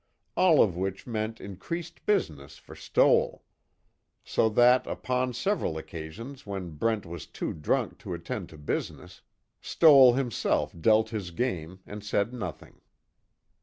All of which meant increased business for Stoell. So that upon several occasions when Brent was too drunk to attend to business, Stoell himself dealt his game and said nothing.